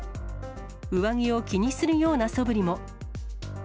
上着を気にするようなそぶりも。